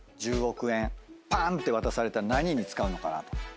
１０億円ぱーんって渡されたら何に使うのかなと。